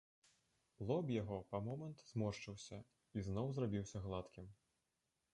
Лоб яго па момант зморшчыўся і зноў зрабіўся гладкім.